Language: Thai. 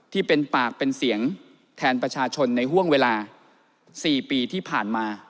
ที่เป็นปากเป็นเสียงแทนประชาชนในห่วงเวลา๔ปีที่ผ่านมา